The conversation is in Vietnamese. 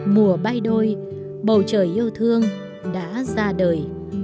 mùa bay đôi bầu trời yêu thương đã ra đời